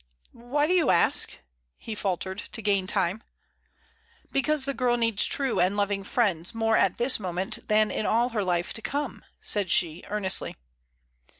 "Why do you ask?" he faltered, to gain time. "Because the girl needs true and loving friends more at this moment than in all her life to come," said she, earnestly.